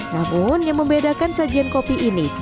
namun yang membedakan sajian kopi ini